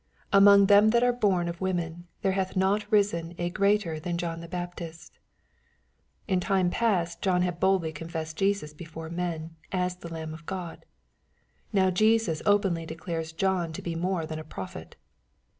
'^ Among them that are born of women^ there hath not risen a greater than John the Baptist/' In time past John had boldly confessed Jesus before men, as the Lamb of Gtod. Now Jesus openly declares John to be more than a prophet.